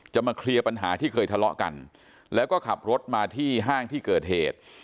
มาเคลียร์ปัญหาที่เคยทะเลาะกันแล้วก็ขับรถมาที่ห้างที่เกิดเหตุ